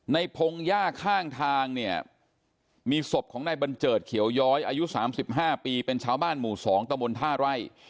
พงหญ้าข้างทางเนี่ยมีศพของนายบัญเจิดเขียวย้อยอายุ๓๕ปีเป็นชาวบ้านหมู่๒ตะบนท่าไร่